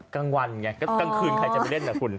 กลางวันไงก็กลางคืนใครจะไปเล่นกับคุณ